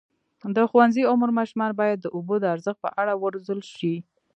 د ښوونځي عمر ماشومان باید د اوبو د ارزښت په اړه وروزل شي.